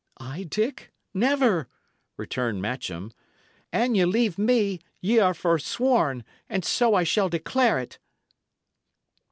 "I, Dick? Never!" returned Matcham. "An ye leave me, y' are forsworn, and so I shall declare it."